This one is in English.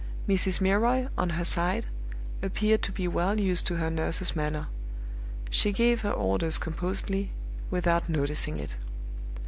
Mrs. Milroy, on her side, appeared to be well used to her nurses manner; she gave her orders composedly, without noticing it.